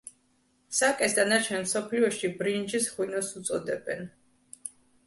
საკეს დანარჩენ მსოფლიოში ბრინჯის ღვინოს უწოდებენ.